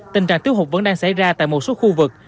tình trạng tiếu hụt vẫn đang xảy ra tại một số khu vực